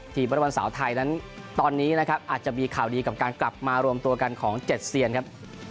บริบอลสาวไทยนั้นตอนนี้นะครับอาจจะมีข่าวดีกับการกลับมารวมตัวกันของ๗เซียนครับ